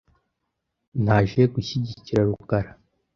Naje gushyigikira rukara .